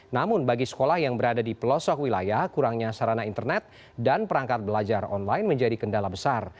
namun bagi sekolah yang berada di pelosok wilayah kurangnya sarana internet dan perangkat belajar online menjadi kendala besar